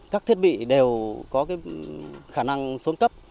các thiết bị đều có khả năng xuống cấp